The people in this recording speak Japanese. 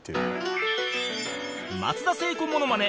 松田聖子モノマネ